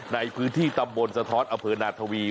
ในพื้นที่ตำบลสะทอดอเผินนาธวี